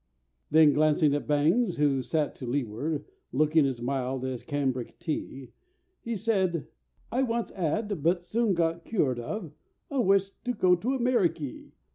Then glancing at Bangs, who sat to leeward, Looking as mild as cambric tea, He said: "I once 'ad—but I soon got cured Of—a wish to go to Amerikee.